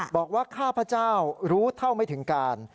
ข้าพเจ้ารู้เท่าไม่ถึงการ